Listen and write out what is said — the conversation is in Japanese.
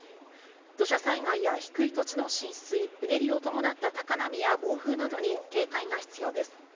土砂災害や低い土地の浸水、うねりを伴った高波や暴風などに警戒が必要です。